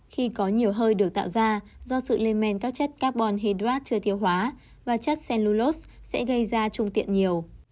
khi có nhiều hơi được tạo ra do sự lên men các chất carbon hydrate chưa tiêu hóa và chất cellulos sẽ gây ra trung tiện nhiều